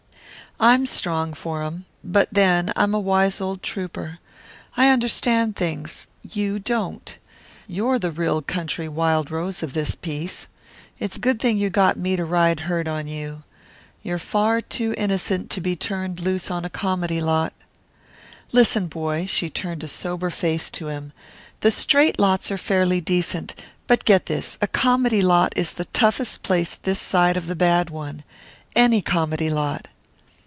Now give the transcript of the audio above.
I'm strong for 'em. But then, I'm a wise old trouper. I understand things. You don't. You're the real country wild rose of this piece. It's a good thing you got me to ride herd on you. You're far too innocent to be turned loose on a comedy lot. "Listen, boy " She turned a sober face to him "the straight lots are fairly decent, but get this: a comedy lot is the toughest place this side of the bad one. Any comedy lot."